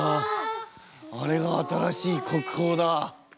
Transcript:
あれが新しい国宝だ。